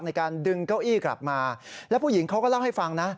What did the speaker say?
ในการดึงเก้าอี้กลับมาแล้วผู้หญิงเขาก็เล่าให้ฟังนะ